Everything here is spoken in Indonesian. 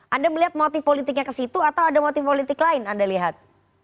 anda melihat motif politiknya ke situ atau ada motif politik lain anda lihat